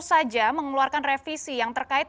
saja mengeluarkan revisi yang terkait